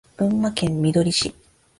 群馬県みどり市